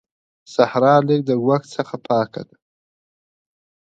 صحرا لا د ږوږ څخه پاکه ده.